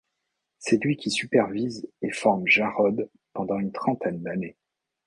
C'est lui qui supervise et forme Jarod pendant une trentaine d'années.